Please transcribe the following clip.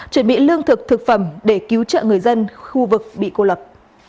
chuẩn bị lương thực thực phẩm để cứu trợ người dân khu vực bị cô lập